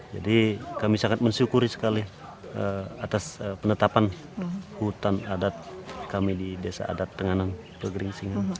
jadi kami sangat bersyukur sekali atas penetapan hutan adat kami di desa adat tenganan pegering singan